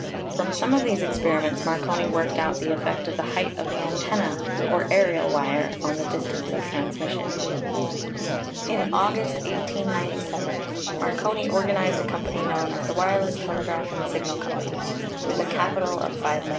From some of these experiments Marconi worked out the effect of the height of the antenna, or aerial wire, on the distance of transmission. In August, 1897, Marconi organized a company known as the Wireless Telegraph and Signal Co., with a capital of $5,000,000.